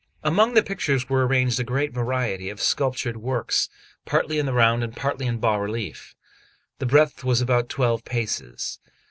Among the pictures were arranged a great variety of sculptured works, partly in the round, and partly in bas relief. The breadth was about twelve paces.